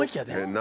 何？